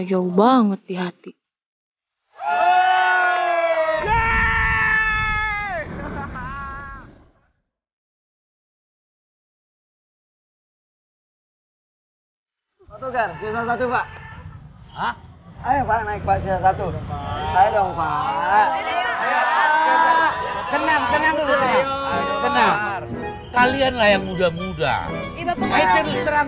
tadang kali ya tadang